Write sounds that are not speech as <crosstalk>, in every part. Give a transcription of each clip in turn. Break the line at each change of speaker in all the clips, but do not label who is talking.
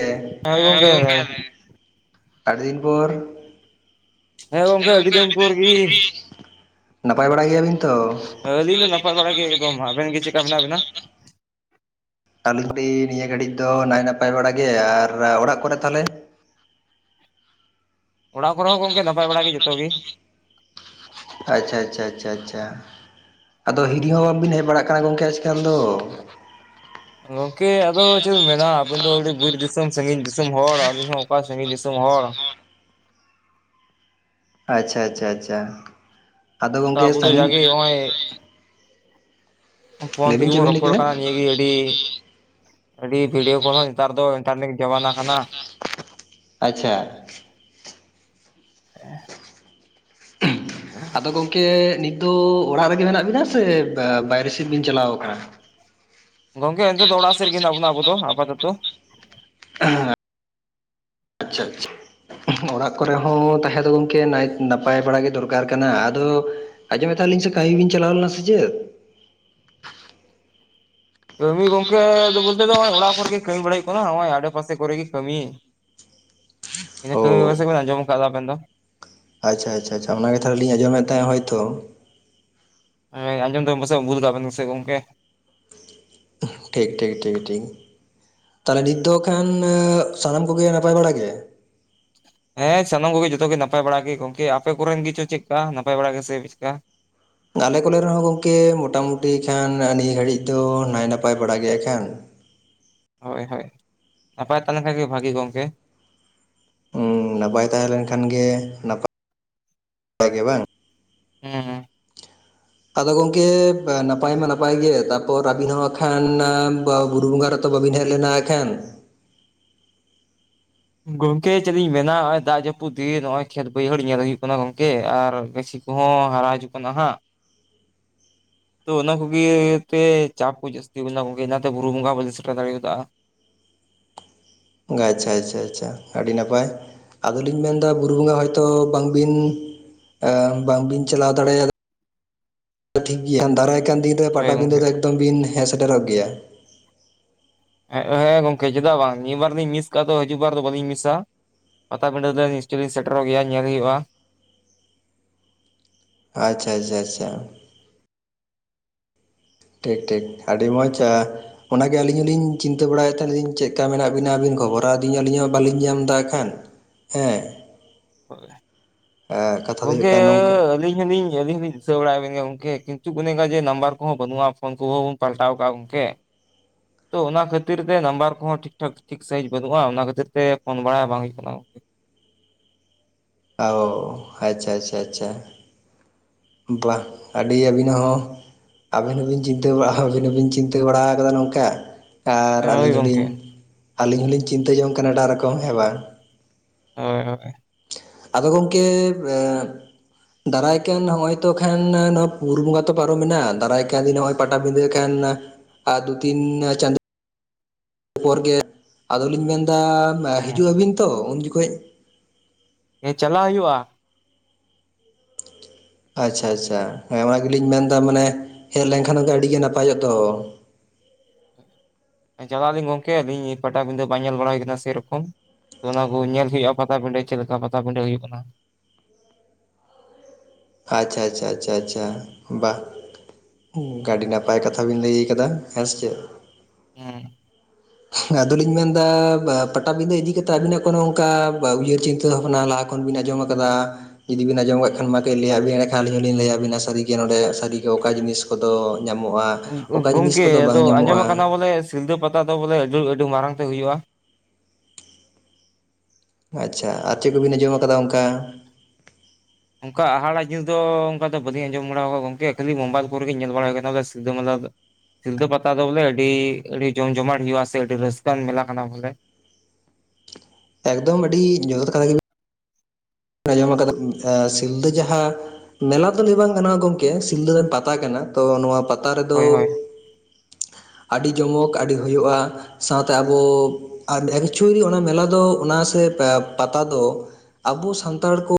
ᱦᱮᱸ
ᱦᱳᱭ ᱜᱚᱝᱠᱮ
ᱜᱚᱢᱠᱮ ᱟᱹᱰᱤ ᱫᱤᱱ ᱯᱚᱨ ᱦᱮᱸ
ᱟᱹᱰᱤ
ᱜᱚᱝᱠᱮ
ᱫᱤᱱ ᱯᱚᱨ ᱜᱤ
ᱟᱹᱰᱤ <inaudible> ᱱᱟᱯᱟᱭ ᱵᱟᱲᱟᱭ ᱜᱮᱭᱟᱵᱤᱱ ᱛᱚ
ᱟᱹᱞᱤᱧ ᱫᱚ ᱱᱟᱯᱟᱭ ᱵᱟᱲᱟ ᱜᱮ ᱮᱠᱫᱚᱢ ᱟᱵᱮᱱ ᱜᱮ ᱪᱮᱞᱮᱠᱟ ᱢᱮᱱᱟᱜ ᱵᱮᱱᱟ
ᱱᱤᱭᱟᱹ ᱜᱷᱟᱹᱲᱤᱡ ᱫᱚ ᱱᱟᱭ ᱱᱟᱯᱟᱭ ᱵᱟᱲᱟ ᱜᱮ ᱟᱨ ᱚᱲᱟᱜ ᱠᱚᱨᱮ ᱛᱟᱦᱚᱞᱮ
ᱚᱲᱟᱜ ᱠᱚᱨᱮ ᱦᱚᱸ ᱜᱚᱝᱠᱮ ᱱᱟᱯᱟᱭ ᱵᱟᱲᱟᱜ ᱜᱮ ᱡᱚᱛᱚ ᱜᱮ
ᱟᱪᱷᱟ ᱟᱪᱷᱟ ᱟᱪᱷᱟ ᱟᱷᱟ ᱟᱫᱚ ᱦᱤᱨᱤ ᱦᱚᱸ ᱵᱟᱵᱤᱱ ᱦᱮᱡ ᱵᱟᱲᱟᱜ ᱠᱟᱱᱟ ᱜᱚᱢᱠᱮ ᱮᱠᱟᱞ ᱫᱚ
ᱜᱚᱝᱠᱮ ᱟᱫᱚ ᱪᱮᱫ ᱵᱤᱱ ᱢᱮᱱᱟ ᱟᱵᱤᱱ ᱫᱚ ᱟᱹᱰᱤ ᱵᱤᱨ ᱫᱤᱥᱚᱢ ᱥᱟᱹᱜᱤᱧ ᱫᱤᱥᱚᱢ ᱦᱚᱲ ᱟᱹᱞᱤᱧ ᱦᱚᱸ ᱚᱠᱟ ᱥᱟᱹᱜᱤᱧ ᱫᱤᱥᱚᱢ ᱦᱚᱲ
ᱟᱪᱪᱷᱟ ᱟᱪᱪᱷᱟ ᱟᱪᱪᱷᱟ ᱟᱫᱚ ᱜᱚᱝᱠᱮ
ᱟᱵᱚ ᱫᱚ
ᱥᱟᱺᱜᱤᱧ
ᱡᱟᱜᱮ ᱱᱚᱜᱼᱚᱭ ᱯᱷᱳᱱ
ᱞᱟᱹᱭᱵᱤᱱ
ᱛᱮᱜᱮ
ᱪᱮᱫ
ᱵᱚᱱ
ᱵᱤᱱ ᱞᱟᱹᱭ
ᱨᱚᱯᱚᱲ
ᱠᱮᱫᱟ?
ᱠᱟᱱᱟ ᱱᱤᱭᱟᱹᱜᱮ ᱟᱹᱰᱤ ᱟᱹᱰᱤ ᱵᱷᱤᱰᱭᱳ ᱠᱚᱞ ᱦᱚᱸ ᱱᱮᱛᱟᱨ ᱫᱚ ᱤᱱᱴᱟᱨᱱᱮᱴ ᱡᱚᱢᱟᱱᱟ ᱠᱟᱱᱟ
ᱟᱪᱪᱷᱟ
ᱮᱸ
ᱟᱫᱚ ᱜᱚᱝ ᱠᱮ ᱱᱤᱛᱳᱜ ᱚᱲᱟᱜ ᱨᱮᱜᱮ ᱢᱮᱱᱟᱜ ᱵᱤᱱᱟ ᱥᱮ ᱵᱟᱭᱨᱮ ᱥᱮᱫ ᱵᱤᱱ ᱪᱟᱞᱟᱣ ᱟᱠᱟᱱᱟ
ᱜᱚᱝᱠᱮ ᱦᱤᱛᱳᱜ ᱫᱚ ᱚᱲᱟᱜ ᱥᱮᱫ ᱨᱮᱜᱮ ᱦᱤᱱᱟᱜ ᱵᱚᱱᱟ ᱟᱵᱚ ᱫᱚ ᱟᱯᱟᱛᱚᱛᱚ
ᱟᱪᱪᱷᱟ ᱟᱪᱪᱷᱟ ᱚᱲᱟᱜ ᱠᱚᱨᱮ ᱦᱚᱸ ᱛᱟᱦᱮᱸ ᱫᱚ ᱜᱚᱢᱠᱮ ᱱᱟᱭ ᱱᱟᱯᱟᱭ ᱵᱟᱲᱟ ᱜᱮ ᱫᱚᱨᱠᱟᱨ ᱠᱟᱱᱟ ᱟᱫᱚ ᱟᱡᱚᱢᱮᱫ ᱛᱟᱦᱮᱸ ᱱᱟᱞᱤᱧ ᱥᱮ ᱠᱟ. ᱢᱤ ᱵᱤᱱ ᱪᱟᱞᱟᱣ ᱞᱮᱱᱟ ᱥᱮ ᱪᱮᱫ
ᱠᱟᱹᱢᱤ ᱜᱚᱝᱠᱮ ᱵᱚᱞᱛᱮ ᱫᱚ ᱱᱚᱜᱼᱚᱭ ᱚᱲᱟᱜ ᱠᱚᱨᱮ ᱜᱮ ᱠᱟᱹᱢᱤ ᱵᱟᱲᱟ ᱦᱩᱭᱩᱜ ᱠᱟᱱᱟ ᱱᱚᱜᱼᱚᱭ ᱟᱰᱮ ᱯᱟᱥᱮ ᱠᱚᱨᱮ ᱜᱮ ᱠᱟᱹᱢᱤ
<inaudible>
ᱤᱱᱟ. ᱠᱟᱹᱢᱤ
ᱚ
ᱡᱚᱢᱡᱟᱜᱼᱟ ᱵᱤᱱ ᱫᱚ
ᱟᱪᱪᱷᱟ ᱟᱪᱷᱟ ᱟᱪᱪᱷᱟ ᱚᱱᱟᱜᱮ ᱛᱟᱦᱚᱞᱮ ᱞᱤᱧ ᱟᱡᱚᱢᱮᱫ ᱛᱟᱦᱮᱸᱦᱳᱭᱛᱚ
ᱟᱸᱧᱡᱚᱢ ᱫᱟᱥᱮ ᱵᱩᱞ ᱜᱟᱱ ᱵᱮᱥᱤᱱ ᱜᱚᱢᱠᱮ
ᱴᱷᱤᱠ ᱴᱷᱤᱠ ᱴᱷᱤᱠ ᱴᱷᱤᱠ ᱛᱟᱦᱚᱞᱮ ᱱᱤᱛ ᱫᱚ ᱠᱷᱟᱱ ᱥᱟᱱᱟᱢ ᱠᱚᱜᱮ ᱱᱟᱯᱟᱭ ᱵᱟᱲᱟ ᱜᱮ
ᱦᱮᱸ ᱥᱟᱱᱟᱢ ᱠᱚᱜᱮ ᱡᱚᱛᱚ ᱜᱮ ᱱᱟᱯᱟᱭ ᱵᱟᱲᱟᱜ ᱜᱮ ᱜᱚᱝᱠᱮ ᱟᱯᱮ ᱠᱚᱨᱮᱱ ᱜᱮ ᱪᱚ ᱪᱮᱫᱞᱮᱠᱟ ᱱᱟᱯᱟᱭ ᱵᱟᱲᱟᱜᱮ ᱥᱮ ᱪᱮᱫᱠᱟ
ᱟᱞᱮ ᱠᱚᱞᱮ ᱨᱮᱦᱚᱸ ᱜᱚᱢᱠᱮ ᱢᱚᱴᱟᱢᱩᱴᱤ ᱠᱷᱟᱱ ᱱᱤᱭᱟᱹ ᱜᱷᱟᱹᱲᱤᱡ ᱫᱚ ᱱᱟᱭ ᱱᱟᱯᱟᱭ ᱵᱟᱲᱟ ᱜᱮ ᱦᱟᱸᱜ ᱠᱷᱟᱱ
ᱦᱳᱭ ᱦᱳᱭ ᱱᱟᱯᱟᱭ ᱛᱟᱦᱮ ᱞᱮᱠᱷᱟᱡ ᱜᱮ ᱵᱷᱟᱹᱜᱤ ᱜᱚᱢᱠᱮ
ᱱᱟᱯᱟᱭ ᱛᱟᱦᱮᱸ ᱞᱮᱱ ᱠᱷᱟᱱ ᱜᱮ ᱱᱟᱯᱟᱭ ᱜᱮ ᱵᱟᱝ
ᱦᱩᱸ
ᱟᱫᱚ ᱜᱚᱝᱠᱮ ᱱᱟᱯᱟᱭ ᱢᱟ ᱱᱟᱯᱟᱭ ᱜᱮ ᱛᱟᱯᱚᱨ ᱟᱵᱤᱱ ᱦᱚᱸ ᱦᱟᱸᱜ ᱠᱷᱟᱱ ᱵᱩᱨᱩ ᱵᱚᱸᱜᱟ ᱨᱮ ᱛᱚ ᱵᱟᱹᱵᱤᱱ ᱦᱮᱡ ᱞᱮᱱᱟ ᱮᱠᱷᱟᱱ
ᱜᱚᱝᱠᱮ ᱪᱮᱫ ᱤᱧ ᱢᱮᱱᱟ ᱱᱚ-ᱜᱚᱭ ᱫᱟᱜ ᱡᱟᱹᱯᱩᱫ ᱫᱤᱱ ᱱᱚᱜᱼᱚᱭ ᱠᱷᱮᱛ ᱵᱟᱹᱭᱦᱟᱹᱲ ᱧᱮᱞ ᱦᱩᱭᱩᱜ ᱠᱟᱱᱟ ᱜᱚᱝᱠᱮ ᱟᱨ ᱵᱮᱥᱤ ᱠᱚ ᱦᱚᱸ ᱦᱟᱨᱟ ᱦᱤᱡᱩᱜ ᱠᱟᱱᱟ ᱦᱟᱸᱜ ᱛᱚ ᱚᱱᱟ ᱠᱚᱜᱮ ᱛᱮ ᱪᱟᱯ ᱠᱚ ᱡᱟᱹᱥᱛᱤ ᱜᱮ ᱧᱟᱢᱚᱜ ᱜᱮᱭᱟ ᱚᱱᱟᱛᱮ ᱵᱩᱨᱩ ᱵᱚᱸᱜᱟ ᱵᱟᱹᱧ ᱥᱮᱴᱮᱨ ᱫᱟᱲᱮ ᱠᱟᱣᱫᱟ
ᱟᱪᱪᱷᱟ ᱟᱪᱪᱷᱟ ᱪᱷᱟ ᱟᱹᱰᱤ ᱱᱟᱯᱟᱭ ᱟᱫᱚ ᱞᱤᱧ ᱢᱮᱱᱫᱟ ᱵᱩᱨᱩ ᱵᱚᱸᱜᱟ ᱦᱚᱭᱛᱳ ᱵᱟᱝᱵᱤᱱ ᱵᱟᱝᱵᱤᱱ ᱪᱟᱞᱟᱣ ᱫᱟᱲᱮᱭᱟᱜᱫᱟ ᱴᱷᱤᱠ ᱜᱮᱭᱟ ᱫᱟᱨᱟᱭ ᱠᱟᱱ ᱫᱤᱱ
ᱦᱳᱭ
ᱯᱟᱴᱟᱵᱤᱸᱫᱟᱹ
ᱜᱚᱝᱠᱮ
ᱫᱚ ᱮᱠᱫᱚᱢ ᱵᱤᱱ ᱦᱮᱸ ᱥᱮᱴᱮᱨᱚᱜ ᱜᱮᱭᱟ
ᱦᱮᱸ ᱜᱚᱝᱠᱮ ᱪᱮᱫᱟᱜ ᱵᱟᱝ ᱱᱤᱭᱟᱹᱵᱟᱨ ᱞᱤᱧ ᱢᱤᱥ ᱠᱟᱜ ᱫᱚ ᱦᱤᱡᱩᱜ ᱵᱟᱨ ᱫᱚ ᱵᱟᱹᱞᱤᱧ ᱢᱤᱥᱟ ᱯᱟᱛᱟ ᱵᱤᱰᱟᱹ ᱫᱚ ᱱᱤᱥᱪᱚᱭ ᱞᱤᱧ ᱥᱮᱴᱮᱨᱚᱜ ᱜᱮᱭᱟ ᱧᱮᱞ ᱦᱩᱭᱩᱜᱼᱟ
ᱟᱪᱷᱟ ᱟᱪᱷᱟ ᱟᱪᱷᱟ ᱴᱷᱤᱠ ᱴᱷᱤᱠ ᱟᱹᱰᱤ ᱢᱚᱡᱽᱼᱟ ᱚᱱᱟ ᱜᱮ ᱟᱹᱞᱤᱧ ᱦᱚᱞᱤᱧ ᱪᱤᱱᱛᱟᱹ ᱵᱟᱲᱟᱭ ᱫᱟ ᱪᱮᱫ ᱞᱮᱠᱟ ᱢᱮᱱᱟᱜ ᱵᱤᱱᱟ ᱟᱹᱵᱤᱱ ᱠᱷᱚᱵᱚᱨᱟ ᱟᱹᱫᱤᱧᱟ ᱟᱹᱞᱤᱧ ᱦᱚᱸ ᱵᱟᱹᱞᱤᱧ ᱧᱟᱢ ᱮᱫᱟ ᱠᱷᱟᱱ ᱦᱮᱸ ᱠᱟᱛᱷᱟ ᱫᱚ ᱦᱩᱭᱩᱜ
ᱜᱚᱝᱠᱮ
ᱠᱟᱱᱟ ᱱᱚᱝᱠᱟ
ᱟᱹᱞᱤᱧ ᱦᱚᱸᱞᱤᱧ ᱠᱮ ᱟᱹᱞᱤᱧ ᱞᱤᱧ ᱫᱤᱥᱟᱹ ᱵᱟᱲᱟᱭ ᱵᱮᱱ ᱜᱮ ᱜᱚᱝᱠᱮ ᱠᱤᱱᱛᱩ ᱚᱱᱮ ᱚᱱᱠᱟ ᱡᱮ ᱱᱟᱢᱵᱟᱨ ᱠᱚᱦᱚᱸ ᱵᱟᱹᱱᱩᱜᱼᱟ ᱯᱷᱚᱱ ᱠᱚᱦᱚᱸ ᱵᱚᱱ ᱯᱟᱞᱴᱟᱣ ᱠᱟᱜ-ᱟ ᱜᱚᱝᱠᱮ᱾ ᱛᱚ ᱚᱱᱟ ᱠᱷᱟᱹᱛᱤᱨ ᱛᱮ ᱱᱟᱢᱵᱟᱨ ᱠᱚᱦᱚᱸ ᱴᱷᱤᱠ ᱴᱷᱟᱠ ᱴᱷᱤᱠ ᱥᱟᱦᱤᱡ ᱵᱟᱹᱱᱩᱜᱼᱟ ᱚᱱᱟ ᱠᱷᱟᱹᱛᱤᱨ ᱛᱮ ᱯᱷᱳᱱ ᱵᱟᱲᱟ ᱵᱟᱝ ᱦᱩᱭᱩᱜ ᱠᱟᱱᱟ ᱠᱮ
ᱟᱣ ᱟᱪᱪᱷᱟ ᱟᱪᱪᱷᱟ ᱟᱪᱪᱷᱟ ᱵᱟᱦ ᱟᱹᱰᱤ ᱟᱹᱵᱤᱱᱟᱜ ᱦᱚᱸ ᱟᱹᱵᱤᱱ ᱦᱚᱸᱵᱤᱱ ᱪᱤᱱᱛᱟᱹ ᱟᱵᱤᱱ ᱦᱚᱸᱵᱤᱱ ᱪᱤᱱᱛᱟ. ᱵᱟᱲᱟ ᱟᱠᱟᱫᱟ ᱱᱚᱝᱠᱟ ᱟᱨ
ᱦᱳᱭ
ᱟᱹᱞᱤᱧ ᱦᱚᱸ
ᱜᱚᱝᱠᱮ
ᱞᱤᱧ ᱟᱞᱤᱧ ᱦᱚᱸ ᱞᱤᱧ ᱪᱤᱱᱛᱟᱹ ᱡᱚᱝ ᱠᱟᱱᱟ ᱮᱴᱟᱜ ᱨᱚᱠᱚᱢ ᱦᱮᱸ ᱵᱟᱝ
ᱦᱳᱭ ᱦᱳᱭ
ᱟᱫᱚ ᱜᱚᱢᱠᱮ ᱮ ᱫᱟᱨᱟᱭ ᱠᱟᱱ ᱱᱚᱜᱼᱚᱭ ᱛᱚ ᱠᱷᱟᱱ ᱱᱚᱣᱟ ᱵᱩᱨᱩ ᱵᱚᱸᱜᱟ ᱛᱚ ᱯᱟᱨᱚᱢ ᱱᱟ ᱫᱟᱨᱟᱭ ᱠᱟᱱ ᱫᱤᱱ ᱱᱚᱜ-ᱚᱭ ᱯᱟᱴᱟ ᱵᱤᱫᱟ. ᱠᱷᱟᱱ ᱛᱤᱱ ᱪᱟᱸᱫᱚ ᱯᱚᱨ ᱜᱮ ᱟᱫᱚᱞᱤᱧ ᱢᱮᱱᱫᱟ ᱦᱤᱡᱩᱜ ᱟᱹᱵᱤᱱ ᱛᱚ ᱩᱱ ᱡᱚᱠᱷᱚᱡ
ᱦᱮᱸ ᱪᱟᱞᱟᱜ ᱦᱩᱭᱩᱜᱼᱟ᱾
ᱟᱪᱷᱟ ᱟᱪᱷᱟ ᱦᱮᱸ ᱚᱱᱟ ᱜᱮᱞᱤᱧ ᱢᱮᱱᱫᱟ ᱢᱟᱱᱮ ᱦᱮᱜ ᱞᱮᱱᱠᱷᱟᱱ ᱟᱹᱰᱤᱜᱮ ᱱᱟᱯᱟᱭᱚᱜ ᱫᱚ᱾
ᱦᱮᱸ ᱪᱟᱞᱟᱜ ᱟᱹᱞᱤᱧ ᱜᱚᱝᱠᱮ ᱟᱹᱞᱤᱧ ᱯᱟᱴᱟᱵᱤᱸᱫᱟᱹ ᱵᱟᱝ ᱧᱮᱞ ᱵᱟᱲᱟ ᱦᱩᱭ ᱠᱟᱱᱟ ᱥᱮᱭᱨᱚᱠᱚᱢ᱾ ᱚᱱᱟ ᱠᱚ ᱧᱮᱞ ᱦᱩᱭᱩᱜᱼᱟ᱾ ᱯᱟᱛᱟ ᱯᱤᱸᱰᱟᱹ ᱪᱮᱜ ᱞᱮᱠᱟ ᱯᱟᱛᱟ ᱯᱤᱸᱰᱟᱹ ᱦᱩᱭᱩᱜ ᱠᱟᱱᱟ?
ᱟᱪᱷᱟ ᱟᱪᱪᱷᱟ ᱟᱪᱷᱟ ᱟᱪᱷᱟ ᱵᱟ ᱦᱩᱝᱠᱟ ᱟᱹᱰᱤ ᱱᱟᱯᱟᱭ ᱠᱟᱛᱷᱟ ᱵᱤᱱ ᱞᱟᱹᱭ ᱟᱠᱟᱫᱟ᱾ ᱦᱮᱸ ᱥᱮ ᱪᱮᱫ?
ᱦᱚᱸ
<inaudible> ᱟᱫᱚᱞᱤᱧ ᱢᱮᱱᱫᱟ ᱵᱟ ᱯᱟᱴᱟᱵᱤᱸᱫᱟᱹ ᱤᱫᱤᱠᱟ ᱠᱟᱛᱮᱜ ᱟᱵᱤᱱᱟᱜ ᱠᱚᱱᱚ ᱚᱝᱠᱟ ᱵᱟ ᱩᱭᱦᱟᱹᱨ ᱪᱤᱱᱛᱟᱹ ᱵᱷᱟᱵᱱᱟ ᱞᱟᱜ ᱠᱷᱚᱱ ᱵᱤᱱ ᱟᱸᱡᱚᱢ ᱟᱠᱟᱫᱟ᱾ ᱡᱫᱤᱵᱤᱱ ᱟᱸᱡᱚᱢᱟᱜ ᱠᱟᱜ ᱠᱷᱟᱱ ᱢᱟ ᱠᱟᱹᱡ ᱞᱟᱹᱭᱟᱵᱮᱱ ᱮᱱᱰᱮᱠᱷᱟᱱ ᱟᱹᱞᱤᱧ ᱦᱚᱸᱞᱤᱧ ᱞᱟᱹᱭᱟᱵᱤᱱᱟ ᱥᱟᱹᱨᱤᱜ ᱱᱚᱰᱮ ᱥᱟᱹᱨᱤ ᱜᱮ ᱚᱠᱟ ᱡᱤᱱᱤᱥ ᱠᱚᱫᱚ ᱧᱟᱢᱚᱜᱼᱟ ᱚᱠᱟ ᱡᱤᱱᱤᱥ
ᱜᱚᱝᱠᱮ
ᱠᱚᱫᱚ
ᱟᱫᱚ
ᱵᱟᱝ
ᱟᱸᱡᱚᱢ
ᱧᱟᱢᱚᱜᱼᱟ᱾
ᱟᱠᱟᱱᱟ ᱵᱚᱞᱮ ᱥᱤᱞᱫᱟᱹ ᱯᱟᱛᱟ ᱫᱚ ᱵᱚᱞᱮ ᱟᱹᱰᱤ ᱟᱹᱰᱤ ᱢᱟᱨᱟᱝ ᱛᱮ ᱦᱩᱭᱩᱜᱼᱟ᱾
ᱟᱪᱷᱟ ᱟᱨ ᱪᱮᱜ ᱠᱚᱵᱤᱱ ᱟᱸᱡᱚᱢ ᱟᱠᱟᱫᱟ ᱚᱝᱠᱟ?
ᱚᱝᱠᱟ ᱟᱦᱟᱲᱟ ᱡᱤᱱᱤᱥ ᱫᱚ ᱚᱝᱠᱟ ᱫᱚ ᱵᱟᱹᱞᱤᱧ ᱟᱸᱡᱚᱢ ᱵᱟᱲᱟᱣ ᱠᱟᱜᱼᱟ ᱜᱚᱝᱠᱮ ᱠᱷᱟᱹᱞᱤ ᱢᱳᱵᱟᱭᱤᱞ ᱠᱚᱨᱮᱜ ᱜᱮ ᱧᱮᱞ ᱵᱟᱲᱟ ᱦᱩᱭ ᱠᱟᱱᱟ ᱥᱤᱞᱫᱩ ᱢᱟᱞᱟ ᱫᱚ ᱥᱤᱞᱫᱟᱹ ᱯᱟᱛᱟ ᱫᱚ ᱵᱚᱞᱮ ᱟᱹᱰᱤ ᱟᱹᱰᱤ ᱡᱚᱢ ᱡᱚᱢᱟᱴ ᱦᱳᱭᱩᱜᱼᱟ ᱥᱮ ᱟᱹᱰᱤ ᱨᱟᱹᱥᱠᱟᱹᱣᱟᱱ ᱢᱮᱞᱟ ᱠᱟᱱᱟ ᱵᱚᱞᱮ᱾
ᱮᱠᱫᱚᱢ ᱟᱹᱰᱤ ᱡᱚᱛᱷᱟᱛ ᱠᱟᱛᱷᱟ ᱜᱮ ᱟᱸᱡᱚᱢ ᱠᱟᱫᱟ ᱮᱸ ᱥᱤᱞᱫᱟᱹ ᱡᱟᱦᱟᱸ ᱢᱮᱞᱟ ᱫᱚ ᱞᱟᱹᱭ ᱵᱟᱝ ᱜᱟᱱᱚᱜᱼᱟ ᱜᱚᱝᱠᱮ ᱥᱤᱞᱫᱟᱹ ᱫᱚ ᱯᱟᱛᱟ ᱠᱟᱱᱟ ᱛᱚ ᱱᱚᱶᱟ ᱯᱟᱛᱟ ᱨᱮᱫᱚ
ᱦᱳᱭ ᱦᱳᱭ
ᱟᱹᱰᱤ ᱡᱚᱢᱚᱠ ᱟᱹᱰᱤ ᱦᱩᱭᱩᱜᱼᱟ᱾ ᱥᱟᱶᱛᱮ ᱟᱵᱚ ᱮᱠᱪᱩᱭᱮᱞᱤ ᱚᱱᱟ ᱢᱮᱞᱟ ᱫᱚ ᱚᱱᱟ ᱥᱮ ᱯᱮ ᱯᱟᱛᱟ ᱫᱚ ᱟᱵᱚ ᱥᱟᱱᱛᱟᱲ ᱠᱚ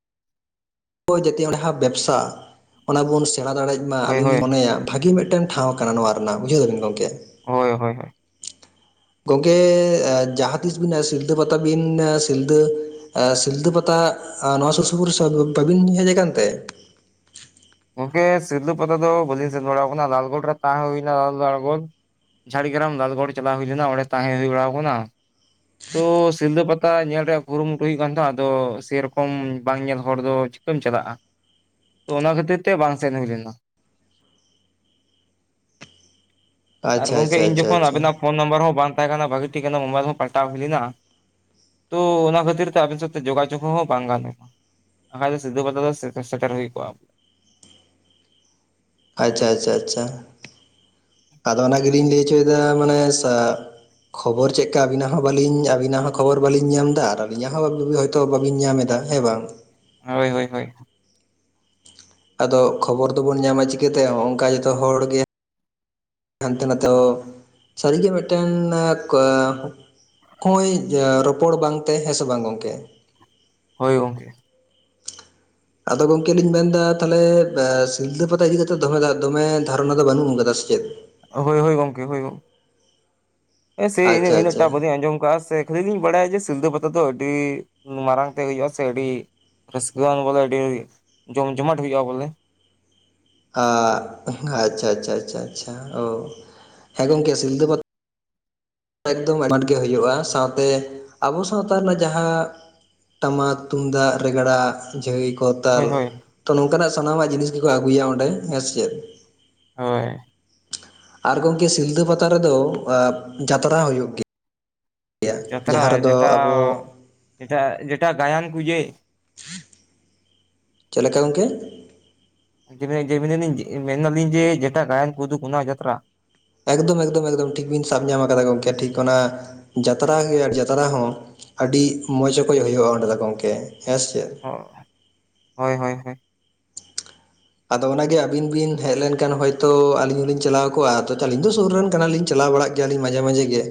ᱟᱵᱚ ᱡᱟᱛᱤ ᱚᱸᱰᱮ ᱦᱟᱸᱜ ᱵᱮᱵᱽᱥᱟ ᱚᱱᱟ ᱵᱚᱱ ᱥᱮᱬᱟ ᱫᱟᱲᱮᱭᱟᱜ ᱢᱟ
ᱦᱳᱭ
ᱟᱹᱞᱤᱧ
ᱦᱳᱭ
ᱞᱤᱧ ᱢᱚᱱᱮᱭᱟ᱾ ᱵᱷᱟᱜᱤ ᱢᱤᱫᱴᱮᱱ ᱴᱷᱟᱶ ᱠᱟᱱᱟ ᱱᱚᱣᱟ ᱨᱮᱱᱟᱜ ᱾ᱵᱩᱡᱷᱟᱹᱣ ᱫᱟᱵᱤᱱ ᱜᱚᱝᱠᱮ?
ᱦᱳᱭ ᱦᱳᱭ ᱦᱳᱭ᱾
ᱜᱚᱢᱠᱮ ᱮ ᱡᱟᱦᱟᱸ ᱛᱤᱥ ᱵᱤᱱ ᱥᱤᱞᱫᱟᱹ ᱯᱟᱛᱟ ᱵᱤᱱ ᱥᱤᱞᱫᱟᱹ ᱮ ᱥᱤᱞᱫᱟᱹ ᱯᱟᱛᱟ ᱟ ᱱᱚᱣᱟ ᱥᱩᱨ ᱥᱩᱯᱩᱨ ᱵᱟᱹᱵᱤᱱ ᱦᱮᱡ ᱠᱟᱱᱛᱮ?
ᱜᱚᱝᱠᱮ ᱥᱤᱞᱫᱟᱹ ᱯᱟᱛᱟ ᱫᱚ ᱵᱟᱹᱞᱤᱧ ᱥᱮᱱ ᱵᱟᱲᱟᱣ ᱠᱟᱱᱟ ᱞᱟᱞᱜᱚᱲ ᱨᱮ ᱛᱟᱦᱮᱸ ᱦᱩᱭᱱᱟ ᱞᱟᱞ ᱞᱟᱞᱜᱚᱲ ᱡᱷᱟᱲᱜᱨᱟᱢ ᱞᱟᱞᱜᱚᱲ ᱪᱟᱞᱟᱣ ᱦᱩᱭ ᱞᱮᱱᱟ ᱚᱸᱰᱮ ᱛᱟᱦᱮᱸ ᱦᱩᱭ ᱵᱟᱲᱟᱣ ᱠᱟᱱᱟ᱾ ᱛᱚ ᱥᱤᱞᱫᱟᱹ ᱯᱟᱛᱟ ᱧᱮᱞ ᱨᱮᱭᱟᱜ ᱠᱩᱨᱩᱢᱩᱴᱩ ᱦᱩᱭᱩᱜ ᱠᱟᱱ ᱛᱟᱦᱮᱸᱜ ᱟᱫᱚ ᱥᱮᱨᱚᱠᱚᱢ ᱵᱟᱝ ᱧᱮᱞ ᱦᱚᱲ ᱫᱚ ᱛᱮᱢ ᱪᱟᱞᱟᱜᱼᱟ ᱛᱚ ᱚᱱᱟ ᱠᱷᱟᱹᱛᱤᱨ ᱛᱮ ᱵᱟᱝ ᱥᱮᱱ ᱦᱩᱭ ᱞᱮᱱᱟ᱾
<inaudible>
ᱟᱨ ᱜᱚᱝᱠᱮ
ᱟᱪᱪᱷᱟ
ᱤᱱ
ᱟᱪᱪᱷᱟ
ᱡᱚᱠᱷᱚᱱ
ᱟᱪᱪᱷᱟ
ᱟᱵᱮᱱᱟᱜ ᱯᱷᱳᱱ ᱱᱟᱢᱵᱟᱨ ᱦᱚᱸ ᱵᱟᱝ ᱛᱟᱦᱮᱸ ᱠᱟᱱᱟ ᱵᱷᱟᱹᱜᱤ ᱴᱷᱤᱠ ᱚᱱᱟ ᱢᱳᱵᱟᱭᱤᱞ ᱦᱚᱸ ᱯᱟᱞᱴᱟᱣ ᱦᱩᱭ ᱞᱮᱱᱟ᱾ ᱛᱚ ᱚᱱᱟ ᱠᱷᱟᱹᱛᱤᱨ ᱛᱮ ᱟᱵᱤᱱ ᱥᱟᱶᱛᱮ ᱡᱳᱜᱟᱡᱳᱜᱽ ᱦᱚᱸ ᱵᱟᱝ ᱜᱟᱱ ᱞᱮᱱᱟ᱾ ᱟᱠᱷᱟᱡ ᱫᱚ ᱥᱤᱞᱫᱟᱹ ᱯᱟᱛᱟ ᱫᱚ ᱥᱮᱠ ᱥᱮᱴᱮᱨ ᱦᱩᱭ ᱠᱚᱜᱼᱟ᱾
ᱟᱪᱷᱟ ᱟᱪᱷᱟ ᱟᱪᱷᱟ ᱟᱫᱚ ᱚᱱᱟ ᱜᱮᱞᱤᱧ ᱞᱟᱹᱭ ᱦᱚᱪᱚᱭᱫᱟ ᱢᱟᱱᱮ ᱥᱟ ᱠᱷᱚᱵᱚᱨ ᱪᱮᱜᱠᱟ ᱟᱹᱵᱤᱱᱟᱜ ᱦᱚᱸ ᱵᱟᱞᱤᱧ ᱟᱹᱵᱤᱱᱟᱜ ᱦᱚᱸ ᱠᱷᱚᱵᱚᱨ ᱵᱟᱟᱹᱞᱤᱧ ᱧᱟᱢᱫᱟ᱾ ᱟᱨ ᱟᱹᱞᱤᱧᱟᱜ ᱦᱚᱸ <unintelligible> ᱛᱚ ᱵᱟᱹᱵᱤᱱ ᱧᱟᱢ ᱮᱫᱟ ᱦᱮᱸ ᱵᱟᱝ?
ᱦᱚᱭ ᱦᱚᱭ ᱦᱟᱭ ᱾
ᱟᱫᱚ ᱠᱷᱚᱵᱚᱨ ᱫᱚᱵᱚᱱ ᱧᱟᱢᱟ ᱪᱤᱠᱟᱹᱛᱮ ᱚᱦᱚᱝᱠᱟ ᱡᱚᱛᱚ ᱦᱚᱲ ᱜᱮ ᱦᱟᱱᱛᱮ ᱱᱟᱛᱮ ᱦᱚᱸ ᱥᱟᱹᱨᱤᱜᱮ ᱢᱤᱫᱴᱮᱝ ᱮᱸ ᱠᱚ ᱦᱚᱜᱼᱚᱭ ᱨᱚᱯᱚᱲ ᱵᱟᱝ ᱛᱮ᱾ ᱦᱮᱸ ᱥᱮ ᱵᱟᱝ ᱜᱚᱝᱠᱮ?
ᱦᱳᱭ ᱜᱚᱝᱠᱮ᱾
ᱟᱫᱚ ᱜᱚᱝᱠᱮ ᱞᱤᱧ ᱢᱮᱱᱫᱟ ᱛᱟᱦᱮᱞᱮ ᱵᱮ ᱥᱤᱞᱫᱟᱹ ᱯᱟᱛᱟ ᱤᱫᱤ ᱠᱟᱛᱮᱜ ᱫᱚᱢᱮ ᱫᱷᱟ ᱫᱚᱢᱮ ᱫᱷᱟᱨᱚᱱᱟ ᱫᱚ ᱵᱟᱹᱱᱩᱜ ᱠᱟᱫᱟ ᱥᱮ ᱪᱮᱫ?
ᱦᱳᱭ ᱦᱳᱭ ᱜᱚᱝᱠᱮ ᱦᱳᱭ ᱮ ᱥᱮ
ᱟᱪᱪᱷᱟ
ᱤᱱᱟᱹᱜ
ᱟᱪᱪᱷᱟ
ᱤᱱᱟᱹᱜᱴᱟ ᱵᱟᱹᱞᱤᱧ ᱟᱸᱡᱚᱢ ᱠᱟᱜᱼᱟ ᱥᱮ ᱠᱷᱟᱹᱞᱤ ᱞᱤᱧ ᱵᱟᱲᱟᱭᱟ ᱡᱮ ᱥᱤᱞᱫᱟᱹ ᱯᱟᱛᱟ ᱫᱚ ᱟᱹᱰᱤ ᱢᱟᱨᱟᱝ ᱛᱮ ᱦᱩᱭᱩᱜᱼᱟ ᱥᱮ ᱟᱹᱰᱤ ᱨᱟᱹᱥᱠᱟᱹᱣᱟᱱ ᱵᱚᱞᱮ ᱟᱹᱰᱤ ᱡᱚᱢ ᱡᱚᱢᱟᱴ ᱦᱩᱭᱩᱜᱼᱟ ᱵᱚᱞᱮ᱾
ᱟᱜᱸ ᱟᱪᱷᱟ ᱟᱪᱷᱟ ᱟᱪᱷᱟ ᱟᱪᱷᱟ ᱪᱷᱟ ᱚ ᱦᱮᱸ ᱜᱚᱢᱠᱮ ᱥᱤᱞᱫᱟᱹ ᱯᱟ ᱮᱠᱫᱚᱢ ᱟᱸᱴ ᱜᱮ ᱦᱩᱭᱩᱜᱼᱟ ᱥᱟᱶᱛᱮ ᱟᱵᱚ ᱥᱟᱶᱛᱟ ᱨᱮᱱᱟᱜ ᱡᱟᱦᱟᱸ ᱴᱟᱢᱟᱠ ᱛᱩᱢᱫᱟᱜ ᱨᱮᱜᱽᱲᱟ ᱡᱷᱟᱹᱭ ᱠᱚ
ᱦᱳᱭ
ᱛᱟᱞ
ᱦᱳᱭ
ᱱᱚᱝᱠᱟᱱᱟᱜ ᱥᱟᱱᱟᱢᱟᱜ ᱡᱤᱱᱤᱥ ᱜᱮᱠᱚ ᱟᱹᱜᱩᱭᱟ ᱚᱸᱰᱮ ᱾ ᱦᱮᱸ ᱪᱮᱫ?
ᱦᱚᱭ ᱾
ᱟᱨ ᱜᱚᱢᱠᱮ ᱥᱤᱞᱫᱟᱹ ᱯᱟᱛᱟ ᱨᱮᱫᱚ ᱡᱟᱛᱨᱟ ᱦᱩᱭᱩᱜ ᱜᱮᱭᱟ᱾
ᱡᱟᱛᱨᱟ
ᱡᱟᱦᱟᱸ ᱨᱮᱫᱚ
ᱡᱮᱴᱟ
ᱟᱵᱚ
ᱡᱮᱴᱟ, ᱡᱮᱴᱟ ᱜᱟᱭᱟᱱ ᱠᱚ ᱡᱮ
ᱪᱮᱫ ᱞᱮᱠᱟ ᱜᱚᱢᱠᱮ?
ᱡᱮ ᱡᱮ ᱢᱮᱱᱫᱟᱞᱤᱧ ᱡᱮ ᱡᱮᱴᱟ ᱜᱟᱭᱟᱱ ᱠᱚ ᱩᱫᱩᱜᱟ ᱚᱱᱟ ᱡᱟᱛᱨᱟ
ᱮᱠᱫᱚᱢ ᱮᱠᱫᱚᱢ ᱮᱠᱫᱚᱢ ᱴᱷᱤᱠ ᱵᱤᱱ ᱥᱟᱵ ᱧᱟᱢ ᱟᱠᱟᱫᱟ ᱜᱚᱢᱠᱮ ᱴᱷᱤᱠ ᱚᱱᱟ ᱡᱟᱛᱨᱟ ᱜᱮ ᱟᱨ ᱡᱟᱛᱨᱟ ᱦᱚᱸ ᱾ ᱟᱹᱰᱤ ᱢᱚᱡᱽ ᱚᱠᱚᱡ ᱦᱩᱭᱩᱜᱼᱟ ᱚᱸᱰᱮ ᱫᱚ ᱜᱚᱢᱠᱮ ᱦᱮᱸ ᱥᱮ ᱪᱮᱫ?
ᱦᱚᱭ ᱦᱚᱭ ᱦᱚᱭ ᱾
ᱟᱫᱚ ᱚᱱᱟᱜᱮ ᱟᱹᱵᱤᱱ ᱵᱤᱱ ᱦᱮᱡ ᱞᱮᱱᱠᱷᱟᱱ ᱦᱚᱭᱛᱳ ᱟᱞᱤᱧ ᱦᱚᱞᱤᱧ ᱪᱟᱞᱟᱣ ᱠᱚᱜᱼᱟ᱾ ᱟᱹᱞᱤᱧ ᱫᱚ ᱥᱩᱨ ᱨᱮᱱ ᱠᱟᱱᱟᱞᱤᱧ ᱪᱟᱞᱟᱣ ᱵᱟᱲᱟᱜ ᱜᱮ ᱾ ᱭᱟᱞᱤᱧ ᱢᱟᱡᱷᱮ ᱢᱟᱡᱷᱮ ᱜᱮ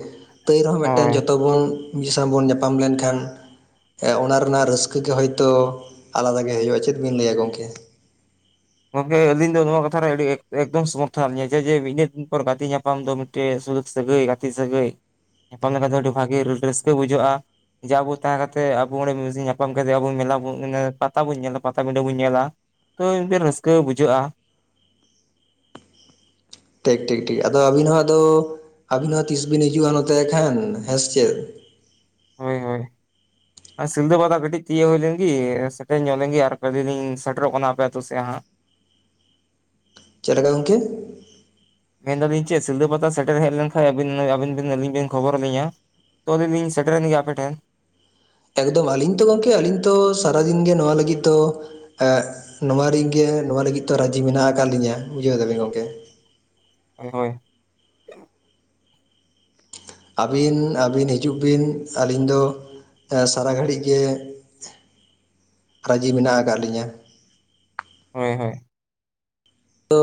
ᱛᱟᱹᱭ ᱨᱮᱦᱚᱸ ᱢᱤᱫᱴᱮᱱ
ᱦᱳᱭ
ᱡᱚᱛᱚ ᱵᱚᱱ ᱢᱤᱫ ᱥᱟᱶ ᱵᱚᱱ ᱧᱟᱯᱟᱢ ᱞᱮᱱᱠᱷᱟᱱ ᱦᱮ ᱚᱱᱟ ᱨᱮᱱᱟᱜ ᱨᱟᱹᱥᱠᱟᱹ ᱜᱮ ᱦᱚᱭᱛᱚ ᱟᱞᱟᱫᱟ ᱜᱮ ᱦᱩᱭᱩᱜᱼᱟ ᱪᱮᱫ ᱵᱤᱱ ᱞᱟᱹᱭᱟ ᱜᱚᱢᱠᱮ ᱾
ᱜᱚᱢᱠᱮ ᱟᱹᱞᱤᱧ ᱫᱚ ᱱᱚᱣᱟ ᱠᱟᱛᱷᱟ ᱨᱮ ᱟᱹᱰᱤ ᱮᱠᱫᱚᱢ ᱥᱚᱢᱚᱨᱛᱷᱚ ᱢᱮᱱᱟᱜ ᱞᱤᱧᱟ ᱡᱮ ᱩᱱᱟᱹᱜ ᱫᱤᱱ ᱯᱚᱨ ᱜᱟᱛᱮ ᱧᱟᱯᱟᱢ ᱫᱚ ᱢᱤᱫ ᱥᱩᱞᱩᱠ ᱥᱟᱹᱜᱟᱹᱭ ᱜᱟᱛᱮ ᱥᱟᱹᱜᱟᱹᱭ ᱧᱟᱯᱟᱢ ᱞᱮᱱᱠᱷᱟᱱ ᱫᱚ ᱟᱹᱰᱤ ᱵᱷᱟᱹᱜᱤ ᱨᱟᱹᱥᱠᱟᱹ ᱵᱩᱡᱷᱟᱹᱜᱼᱟ ᱾ ᱡᱟ ᱟᱵᱚ ᱛᱟᱦᱮᱸ ᱠᱟᱛᱮ ᱟᱵᱚ ᱚᱸᱰᱮ ᱢᱤᱫ ᱧᱟᱯᱟᱢ ᱠᱟᱛᱮᱫ ᱟᱵᱚ ᱢᱮᱞᱟ ᱵᱚᱱ ᱯᱟᱛᱟ ᱵᱚᱱ ᱧᱮᱞᱟ ᱯᱟᱴᱟᱵᱤᱸᱰᱟᱹ ᱵᱚᱱ ᱧᱮᱞᱟ ᱺ ᱛᱚ ᱢᱤᱫᱵᱮᱱ ᱨᱟᱹᱥᱠᱟᱹ ᱵᱩᱡᱷᱟᱹᱜᱼᱟ᱾
ᱴᱷᱤᱠ ᱴᱷᱤᱠ ᱴᱷᱤᱠ ᱟᱫᱚ ᱟᱹᱵᱤᱱ ᱦᱚᱸ ᱟᱫᱚ ᱟᱹᱵᱤᱱ ᱦᱚᱸ ᱛᱤᱥ ᱵᱤᱱ ᱦᱤᱡᱩᱜᱼᱟ ᱱᱚᱛᱮ ᱮᱱᱠᱷᱟᱱ ᱦᱮᱸ ᱥᱮ ᱪᱮᱫ?
ᱦᱳᱭ ᱦᱳᱭ
<inaudible>
ᱥᱤᱞᱫᱟᱹ ᱯᱟᱛᱟ ᱠᱟᱹᱴᱤᱡ ᱛᱤᱭᱟᱹᱜ ᱦᱩᱭ ᱞᱮᱱᱜᱮ ᱥᱮᱴᱮᱨ ᱧᱚᱜ ᱞᱮᱱᱜᱮ ᱟᱨ ᱛᱚᱵᱮ ᱞᱤᱧ ᱥᱮᱴᱮᱨᱚᱜ ᱠᱟᱱᱟ ᱟᱯᱮ ᱟᱛᱳ ᱥᱮᱫ ᱦᱟᱸᱜ ᱾
ᱪᱮᱫ ᱞᱮᱠᱟ ᱜᱚᱢᱚᱠᱮ?
ᱢᱮᱱᱫᱟᱞᱤᱧ ᱪᱮᱫ ᱥᱤᱞᱫᱟᱹ ᱯᱟᱛᱟ ᱥᱮᱴᱮᱨ ᱦᱮᱡ ᱞᱮᱱᱠᱷᱟᱱ ᱟᱹᱵᱤᱱᱵᱤᱱ ᱟᱹᱞᱤᱧ ᱵᱤᱱ ᱠᱷᱚᱵᱚᱨ ᱟᱹᱞᱤᱧᱟ᱾ ᱛᱚ ᱟᱞᱤᱧ ᱞᱤᱧ ᱥᱮᱴᱮᱨ ᱞᱮᱱ ᱜᱮ ᱟᱯᱮᱴᱷᱮᱱ ᱾
ᱮᱠᱫᱚᱢ ᱟᱹᱞᱤᱧ ᱛᱚ ᱜᱚᱢᱠᱮ ᱟᱹᱞᱤᱧ ᱛᱚ ᱥᱟᱨᱟᱫᱤᱱ ᱜᱮ ᱱᱚᱣᱟ ᱞᱟᱹᱜᱤᱫ ᱫᱚ ᱱᱚᱣᱟ ᱨᱮᱧ ᱜᱮ ᱱᱚᱣᱟ ᱞᱟᱹᱜᱤᱫ ᱛᱚ ᱨᱟᱹᱡᱤ ᱢᱮᱱᱟᱜ ᱟᱠᱟᱫ ᱞᱤᱧᱟᱹ ᱵᱩᱡᱷᱟᱹᱣ ᱫᱟᱵᱮᱱ ᱜᱚᱢᱠᱮ
ᱦᱚᱭ ᱾
ᱟᱹᱵᱤᱱ ᱟᱹᱵᱤᱱ ᱦᱤᱡᱩᱜ ᱵᱤᱱ ᱟᱹᱞᱤᱧ ᱫᱚ ᱥᱟᱨᱟ ᱜᱷᱟᱹᱲᱤᱡ ᱜᱮ ᱨᱟᱹᱡᱤ ᱢᱮᱱᱟᱜ ᱟᱠᱟᱫ ᱞᱤᱧᱟᱹ ᱾
ᱦᱚᱭ ᱦᱚᱭ ᱾
ᱛᱚ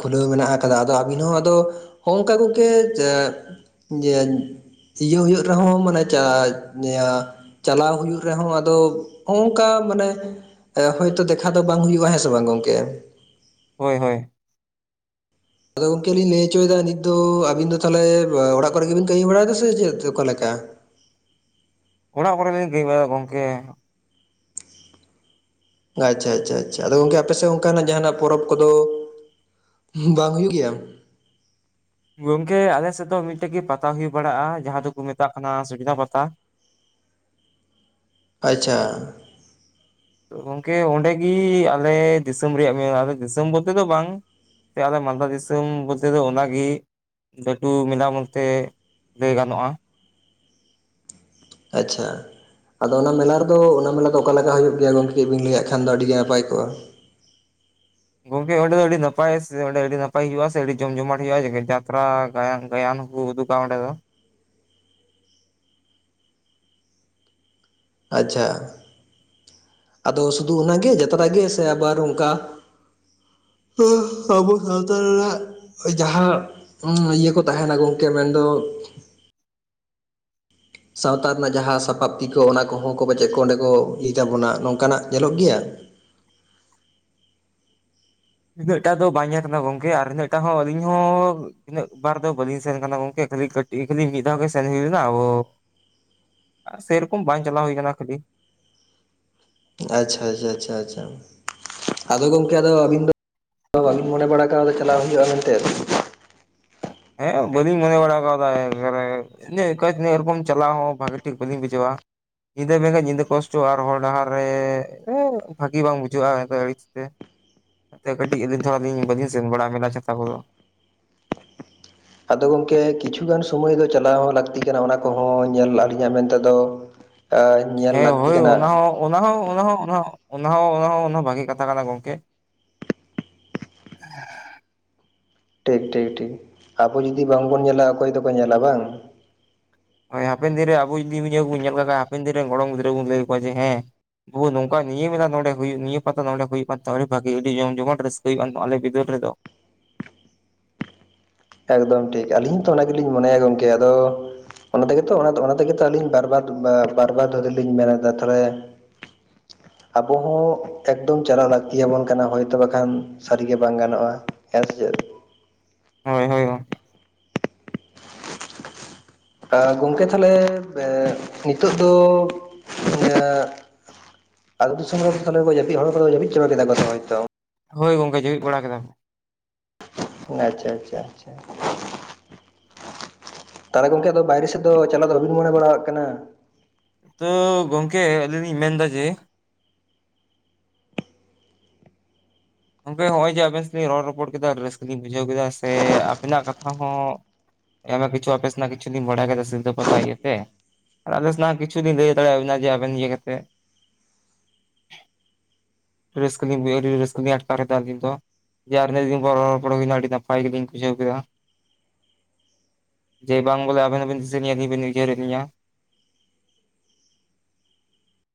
ᱠᱷᱩᱞᱟᱹᱣ ᱢᱮᱱᱟᱜ ᱟᱠᱟᱫ-ᱟ ᱟᱫᱚ ᱟᱹᱵᱤᱱ ᱦᱚᱸ ᱟᱫᱚ ᱦᱚᱸᱝᱠᱟ ᱠᱚ ᱜᱮ ᱡᱮ ᱦᱤᱡᱩᱜ ᱦᱩᱭᱩᱜ ᱨᱮᱦᱚᱸ ᱢᱟᱱᱮ ᱪᱟᱡ ᱤᱭᱟᱹ ᱪᱟᱞᱟᱣ ᱦᱩᱭᱩᱜ ᱨᱮᱦᱚᱸ ᱟᱫᱚ, ᱚᱦᱚᱝᱠᱟ ᱢᱟᱱᱮ ᱦᱚᱭᱛᱚ ᱫᱮᱠᱷᱟ ᱫᱚ ᱵᱟᱝ ᱦᱩᱭᱩᱜᱼᱟ ᱦᱮᱸ ᱥᱮ ᱵᱟᱝ ᱜᱚᱢᱠᱮ?
ᱦᱚᱭ ᱦᱚᱭ
ᱟᱫᱚ ᱜᱚᱢᱠᱮ ᱞᱤᱧ ᱞᱟᱹᱭ ᱚᱪᱚᱭᱮᱫᱟ ᱱᱤᱛ ᱫᱚ ᱟᱵᱤᱱ ᱫᱚ ᱛᱟᱦᱚᱞᱮ ᱚᱲᱟᱜ ᱠᱚᱨᱮᱜᱮᱵᱤᱱ ᱠᱟᱹᱢᱤ ᱵᱟᱲᱟᱭᱮᱫᱟ ᱥᱮ ᱪᱮᱫ ᱚᱠᱟ ᱞᱮᱠᱟ?
ᱚᱲᱟᱜ ᱠᱚᱨᱮ ᱞᱤᱧ ᱠᱟᱹᱢᱤ ᱵᱟᱲᱟᱭ ᱜᱚᱢᱠᱮ ᱾
ᱟᱪᱪᱷᱟ ᱟᱪᱪᱷᱟ ᱟᱪᱪᱷᱟ ᱟᱫᱚ ᱜᱚᱢᱠᱮ ᱟᱯᱮᱥᱮᱫ ᱚᱱᱠᱟᱱᱟᱜ ᱡᱟᱦᱟᱱᱟᱜ ᱯᱚᱨᱚᱵᱽ ᱠᱚᱫᱚ? ᱵᱟᱝ ᱦᱩᱭᱩᱜ ᱜᱮᱭᱟ ᱾
ᱜᱚᱢᱠᱮ ᱟᱞᱮᱥᱮᱫ ᱫᱚ ᱢᱤᱫᱴᱟᱝ ᱜᱮ ᱯᱟᱛᱟ ᱦᱩᱭ ᱵᱟᱲᱟᱜᱼᱟ ᱡᱟᱦᱟᱸ ᱫᱚᱠᱚ ᱢᱮᱛᱟᱜ ᱠᱟᱱᱟ ᱥᱤᱞᱫᱟᱹ ᱯᱟᱛᱟ ᱾
ᱟᱪᱷᱟ
ᱜᱚᱢᱠᱮ ᱚᱸᱰᱮᱜᱮ ᱟᱞᱮ ᱫᱤᱥᱚᱢ ᱨᱮᱭᱟᱜ ᱢᱮᱞᱟ, ᱫᱤᱥᱚᱢ ᱵᱚᱞᱛᱮ ᱫᱚ ᱵᱟᱝ ᱟᱞᱮ ᱢᱟᱞᱫᱟ ᱫᱤᱥᱚᱢ ᱵᱚᱞᱛᱮ ᱫᱚ ᱚᱱᱟ ᱜᱤ ᱾ ᱞᱟᱹᱴᱩ ᱢᱮᱞᱟ ᱵᱚᱱᱛᱮ ᱞᱟᱹᱭ ᱜᱟᱱᱚᱜᱼᱟ ᱾
ᱟᱪᱪᱷᱟ ᱟᱫᱚ ᱚᱱᱟ ᱢᱮᱞᱟ ᱨᱮᱫᱚ ᱚᱱᱟ ᱢᱮᱞᱟ ᱫᱚ ᱚᱠᱟ ᱞᱮᱠᱟ ᱦᱩᱭᱩᱜ ᱜᱮᱭᱟ ᱜᱚᱢᱠᱮ ᱠᱟ. ᱡ ᱵᱤᱱ ᱞᱟᱹᱭᱟᱜ ᱠᱷᱟᱱ ᱫᱚ ᱟᱹᱰᱤ ᱜᱮ ᱱᱟᱯᱟᱭ ᱠᱚᱜᱼᱟ ᱾
ᱜᱚᱢᱠᱮ ᱚᱸᱰᱮ ᱫᱚ ᱟᱹᱰᱤ ᱱᱟᱯᱟᱭ ᱥᱮ ᱚᱸᱰᱮ ᱟᱹᱰᱤ ᱱᱟᱯᱟᱭ ᱦᱩᱭᱩᱜᱼᱟ ᱥᱮ ᱟᱹᱰᱤ ᱡᱚᱢ ᱡᱚᱢᱟᱴ ᱦᱩᱭᱩᱜᱼᱟ ᱡᱟᱛᱨᱟ ᱜᱟᱭᱟᱱ ᱜᱟᱭᱟᱱ ᱠᱚ ᱩᱫᱩᱜ ᱚᱸᱰᱮ ᱫᱚ
ᱟᱪᱪᱷᱟ ᱾ ᱟᱫᱚ ᱥᱩᱫᱷᱩ ᱚᱱᱟᱜᱮ ᱡᱟᱛᱨᱟ ᱜᱮ ᱥᱮ ᱟᱵᱟᱨ ᱚᱱᱠᱟ ᱟᱵᱚ ᱥᱟᱶᱛᱟ ᱨᱮᱱᱟᱜ ᱡᱟᱦᱟᱸ ᱦᱮᱸ ᱤᱭᱟᱹ ᱠᱚ ᱛᱟᱦᱮᱱᱟ ᱜᱚᱢᱠᱮ ᱢᱮᱱᱫᱚ ᱥᱟᱶᱛᱟ ᱨᱮᱱᱟᱜ ᱡᱟᱦᱟᱸ ᱥᱟᱯᱟᱯ ᱠᱤ ᱠᱚ ᱚᱱᱟ ᱠᱚᱦᱚᱸ ᱠᱚ ᱯᱟᱪᱮᱫ ᱠᱚ ᱚᱸᱰᱮ ᱠᱚ ᱞᱟᱹᱭ ᱛᱟᱵᱚᱱᱟ ᱱᱚᱝᱠᱟᱱᱟᱜ ᱧᱮᱞᱚᱜ ᱜᱮᱭᱟ
ᱤᱱᱟᱹᱜ ᱴᱟᱜ ᱫᱚ ᱵᱟᱝ ᱧᱮᱞ ᱟᱠᱟᱱᱟ ᱜᱚᱝᱠᱮ ᱟᱨ ᱤᱱᱟᱹᱜᱴᱟᱜ ᱦᱚᱸ ᱟᱞᱤᱧ ᱦᱚᱸ ᱛᱤᱱᱟᱹᱜ ᱵᱟᱨ ᱫᱚ ᱵᱟᱹᱞᱤᱧ ᱥᱮᱱ ᱠᱟᱱᱟ ᱜᱚᱝᱠᱮ ᱠᱷᱟᱹᱞᱤ ᱠᱟᱹᱴᱤᱡ ᱠᱷᱟᱹᱞᱤ ᱢᱤᱫ ᱫᱷᱟᱣ ᱜᱮ ᱥᱮᱱ ᱦᱩᱭᱞᱮᱱᱟ ᱟᱵᱚ ᱥᱮᱨᱚᱠᱚᱢ ᱵᱟᱝ ᱪᱟᱞᱟᱣ ᱦᱩᱭ ᱟᱠᱟᱱᱟ ᱠᱷᱟᱹᱞᱤ
ᱟᱪᱷᱟ ᱟᱪᱷᱟ ᱟᱪᱷᱟ ᱟᱪᱷᱟ ᱟᱫᱚ ᱜᱚᱢᱠᱮ ᱟᱫᱚ ᱟᱹᱵᱤᱱ ᱵᱟᱝ ᱢᱚᱱᱮ ᱵᱟᱲᱟ ᱠᱟᱱᱟ ᱪᱟᱞᱟᱣ ᱦᱩᱭᱩᱜᱼᱟ ᱢᱮᱱᱛᱮᱫ
ᱦᱮᱸ ᱵᱟᱹᱞᱤᱧ ᱢᱚᱱᱮ ᱵᱟᱲᱟ ᱟᱠᱟᱣᱫᱟ ᱮᱪ ᱮᱨᱚᱠᱚᱢ ᱪᱟᱞᱟᱣ ᱦᱚᱸ ᱵᱷᱟ. ᱜᱤ ᱴᱷᱤᱠ ᱵᱟᱹᱞᱤᱧ ᱵᱩᱡᱷᱟᱹᱣᱟ ᱧᱤᱫᱟᱹ ᱢᱮᱱᱠᱟᱱᱡ ᱧᱤᱫᱟᱹ ᱠᱚᱥᱴᱚᱜᱼᱟ ᱟᱨ ᱦᱚᱨ ᱰᱟᱦᱟᱨ ᱨᱮ ᱵᱷᱟᱹᱜᱤ ᱵᱟᱝ ᱵᱩᱡᱷᱟᱹᱜᱼᱟ ᱮ ᱟᱹᱲᱤᱥᱜᱮ ᱮ ᱠᱟᱹᱴᱤᱡ <inaudible> ᱡᱤᱫ ᱫᱷᱟᱣ ᱵᱟᱹᱞᱤᱧ ᱥᱮᱱ ᱵᱟᱲᱟ ᱠᱟᱱᱟ ᱢᱮᱞᱟ ᱪᱷᱟᱛᱟ ᱠᱚᱫᱚ
ᱟᱫᱚ ᱜᱚᱢᱠᱮ ᱠᱤᱪᱷᱩᱜᱟᱱ ᱥᱚᱢᱚᱭ ᱫᱚ ᱪᱟᱞᱟᱣ ᱦᱚᱸ ᱞᱟᱹᱠᱛᱤ ᱠᱟᱱᱟ ᱚᱱᱟ ᱠᱚᱦᱚᱸ ᱧᱮᱞ ᱟᱰᱤ ᱜᱟᱱ ᱢᱮᱱᱛᱮᱫ ᱫᱚ ᱮ ᱧᱮᱞ
ᱦᱮᱸ
ᱞᱟᱹᱠᱛᱤ
ᱦᱳᱭ
ᱠᱟᱱᱟ
ᱚᱱᱟ ᱦᱚᱸ ᱚᱱᱟ ᱦᱚᱸ ᱚᱱᱟ ᱦᱚᱸ ᱚᱱᱟᱦ ᱚᱱᱟ ᱦᱚᱸ ᱚᱱᱟ ᱵᱷᱟᱜᱤ ᱠᱟᱛᱷᱟ ᱠᱟᱱᱟ ᱜᱚᱝᱠᱮ
ᱴᱷᱤᱠ ᱴᱷᱤᱠ ᱴᱷᱤᱠ ᱟᱵᱚ ᱡᱩᱫᱤ ᱵᱟᱝ ᱵᱚᱱ ᱧᱮᱞᱟ ᱚᱠᱚᱭ ᱫᱚᱠᱚ ᱧᱮᱞᱟ ᱵᱟᱝ
ᱦᱳᱭ ᱦᱟᱯᱮᱱ ᱫᱤᱱ ᱨᱮ ᱟᱵᱚ ᱡᱩᱫᱤ ᱠᱚᱵᱚᱱ ᱧᱮᱞ ᱞᱮ ᱠᱷᱟᱱ ᱦᱟᱯᱮᱱ ᱫᱤᱱ ᱨᱮᱱ ᱜᱚᱲᱚᱢ ᱜᱤᱫᱨᱟᱹ ᱵᱚᱱ ᱞᱟᱹᱭ ᱠᱚᱣᱟ ᱡᱮ ᱦᱮᱸ ᱵᱩᱵᱩ ᱱᱚᱝᱠᱟ ᱱᱤᱭᱟᱹ ᱢᱮᱞᱟ ᱱᱚᱰᱮ ᱦᱩᱭᱩᱜ ᱱᱤᱭᱟᱹ ᱯᱟᱛᱟ ᱱᱚᱰᱮ ᱦᱩᱭᱩᱜ ᱠᱟᱱ ᱟᱹᱰᱤ ᱵᱷᱟᱜᱤ ᱟᱹᱰᱤ ᱡᱚᱢ ᱡᱚᱢᱟᱴ ᱨᱟᱹᱥᱠᱟᱹ ᱦᱩᱭᱩᱜ ᱠᱟᱱ ᱟᱞᱮ ᱵᱤᱫᱟᱹᱞ ᱨᱮᱫᱚ
ᱮᱠᱫᱚᱢ ᱴᱷᱤᱠ ᱟᱹᱞᱤᱧ ᱦᱚᱸ ᱛᱚ ᱚᱱᱟ ᱜᱮᱞᱤᱧ ᱢᱚᱱᱮᱭᱟ ᱜᱚᱢᱠᱮ ᱟᱫᱚ ᱚᱱᱟ ᱛᱮᱜᱮ ᱛᱚ ᱚᱱᱟ ᱛᱮᱜᱮ ᱛᱚ ᱟᱹᱞᱤ ᱵᱟᱨ ᱵᱟᱨ ᱵᱟᱨ ᱫᱷᱚᱨ ᱞᱤᱧ ᱢᱮᱱᱫᱟ ᱛᱟᱦᱚᱞᱮ ᱟᱵᱚ ᱦᱚᱸ ᱮᱠᱫᱚᱢ ᱪᱟᱞᱟᱜ ᱞᱟᱹᱠᱛᱤᱭᱟᱵᱚᱱ ᱠᱟᱱᱟ ᱦᱳᱭᱛᱚ ᱵᱟᱠᱷᱟᱱ ᱥᱟᱹᱨᱤᱜᱮ ᱵᱟᱝ ᱜᱟᱱᱚᱜᱼᱟ ᱦᱮᱸᱥᱮ ᱪᱮᱫ
ᱦᱳᱭ ᱦᱳᱭ
ᱜᱚᱝᱠᱮ ᱛᱟᱦᱞᱮ ᱱᱤᱛᱚᱜ ᱫᱚ ᱟᱵᱤᱱ ᱥᱮᱱ ᱦᱚᱲ ᱠᱚ ᱡᱟᱹᱯᱤᱫ ᱠᱮᱫᱟ ᱠᱚ ᱫᱚᱛᱚ
ᱦᱳᱭ ᱜᱚᱝᱠᱮ ᱡᱮᱣᱤᱫ ᱵᱟᱲᱟ ᱠᱮᱫᱟᱢ
ᱟᱪᱷᱟ ᱟᱪᱷᱟ ᱟᱪᱷᱟ ᱛᱟᱦᱚᱞᱮ ᱜᱚᱝᱠᱮ ᱟᱫᱚ ᱵᱟᱭᱨᱮ ᱥᱮᱫ ᱫᱚ ᱪᱟᱞᱟᱣ ᱫᱚ ᱵᱟᱹᱵᱤᱱ ᱢᱚᱱᱮ ᱵᱟᱲᱟᱜ ᱠᱟᱱᱟ
ᱛᱚ ᱜᱚᱝᱠᱮ ᱟᱹᱞᱤᱧ ᱞᱤᱧ ᱢᱮᱱ ᱮᱫᱟ ᱡᱮ ᱜᱚᱝᱠᱮ ᱦᱚᱸᱜᱼᱚᱭ ᱡᱮ ᱟᱵᱮᱱ ᱥᱮᱫ ᱞᱤᱧ ᱨᱚᱲ ᱨᱚᱯᱚᱲ ᱠᱮᱫᱟ ᱨᱟᱹᱥᱠᱟᱹ ᱞᱤᱧ ᱵᱩᱡᱷᱟᱹᱣ ᱠᱮᱫᱟ ᱥᱮ ᱟᱵᱮᱱᱟᱜ ᱠᱟᱛᱷᱟ ᱦᱚᱸ ᱟᱭᱢᱟ ᱠᱤᱪᱷᱩ ᱚᱯᱮᱥ ᱨᱮᱱᱟᱜ ᱠᱤᱪᱷᱩ <inaudible> ᱵᱟᱲᱟᱭ ᱠᱮ ᱨᱮᱥᱮᱫ ᱠᱮᱫᱟ ᱫᱚ ᱯᱟᱛᱟ ᱤᱭᱟᱹ ᱛᱮ ᱨᱟᱡᱮᱥ ᱠᱤᱪᱷᱩ ᱫᱤᱱ ᱞᱟᱹᱭ ᱫᱟᱲᱮᱭᱟᱵᱱᱟ ᱡᱮ ᱟᱵᱮᱱ ᱤᱭᱟᱹ ᱠᱟᱛᱮ ᱨᱟᱹᱥᱠᱟᱹ ᱞᱤᱧ ᱵᱩᱡᱷᱟᱣ ᱠᱮᱫᱟ ᱨᱟᱹᱥᱠᱟ <unintelligible> ᱵᱤᱱ ᱟᱴᱠᱟᱨᱠᱟᱼᱟ ᱛᱚ <unintelligible> ᱡᱭᱟᱨ ᱫᱤᱱ ᱨᱚᱯᱚᱲ ᱦᱩᱭᱱᱟ ᱟᱹᱰᱤ ᱱᱟᱯᱟᱭ ᱜᱮᱞᱤᱧ ᱠᱩᱥᱤᱣ ᱠᱮᱫᱟ ᱡᱮ ᱵᱟᱝ ᱵᱚᱞᱮ ᱟᱵᱮᱱ ᱦᱚᱸᱵᱮᱱ ᱫᱤᱥᱤᱭᱟᱹᱵᱤᱱ ᱩᱭᱦᱟᱹᱨᱮ ᱱᱤᱭᱟ